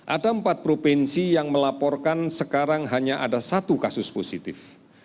ada empat provinsi yang melaporkan sekarang hanya ada satu kasus positif